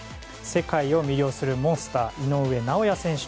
世界を魅了するモンスター井上尚弥選手。